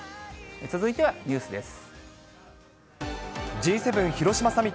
続いてはニュースです。